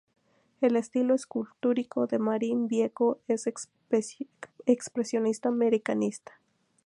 El estilo escultórico de Marín Vieco es expresionista americanista.